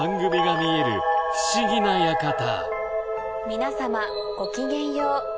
皆様ごきげんよう。